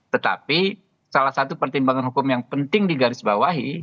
tetapi salah satu pertimbangan hukum yang penting di garis bawahi